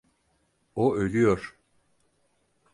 O ölüyor.